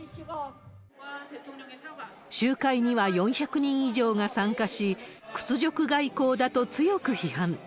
集会には４００人以上が参加し、屈辱外交だと強く批判。